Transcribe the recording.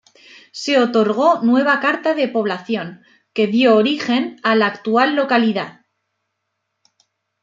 Se otorgó nueva carta de población que dio origen a la actual localidad.